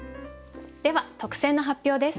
では特選の発表です。